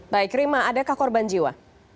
baik rima adakah korban jiwa